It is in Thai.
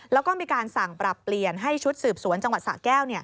แล้วก็มีการสั่งปรับเปลี่ยนให้ชุดสืบสวนจังหวัดสะแก้ว